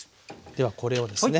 ではこれをですね